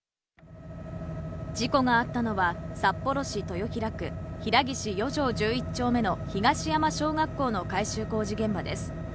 事故があったのは、札幌市豊平区平岸４条１１丁目の東山小学校の改修工事現場です。